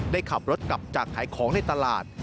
ขับรถกลับจากขายของในตลาด